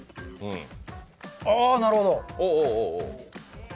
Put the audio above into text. あー、なるほど。